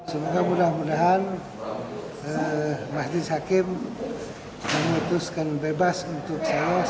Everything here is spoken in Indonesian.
semoga mudah mudahan mahdi sakim memutuskan bebas untuk selalu